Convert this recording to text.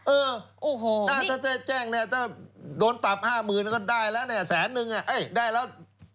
เออน่าจะแจ้งถ้าโดนตับ๕หมื่นก็ได้แล้วแสนนึงได้แล้ว